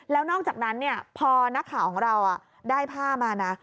แล้วนอกจากนั้นพอนักข่าวของเราได้ผ้ามานะ